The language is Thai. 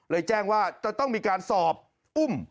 แจ้งว่าจะต้องมีการสอบอุ้ม